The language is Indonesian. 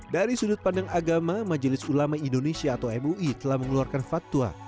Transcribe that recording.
dari sudut pandang agama majelis ulama indonesia atau mui telah mengeluarkan fatwa